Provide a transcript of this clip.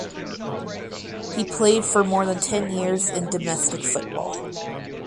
He played for more than ten years in domestic football.